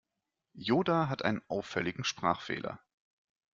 Yoda hat einen auffälligen Sprachfehler.